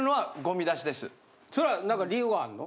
それは何か理由があんの？